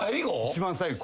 一番最後。